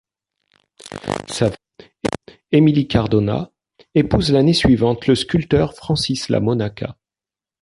Sa veuve, Émilie Cardona, épouse l'année suivante le sculpteur Francis La Monaca.